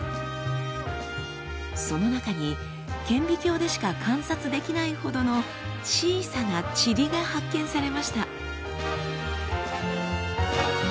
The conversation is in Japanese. その中に顕微鏡でしか観察できないほどの小さな塵が発見されました。